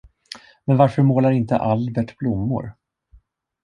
Men varför målar inte Albert blommor?